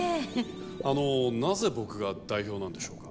あのなぜ僕が代表なんでしょうか？